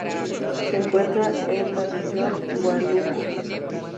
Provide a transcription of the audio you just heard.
Se encuentra en la región Huánuco.